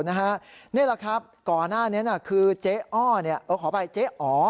นี่แหละครับก่อนหน้านี้คือเจ๊อ้อขออภัยเจ๊อ๋อ